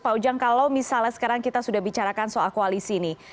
pak ujang kalau misalnya sekarang kita sudah bicarakan soal koalisi ini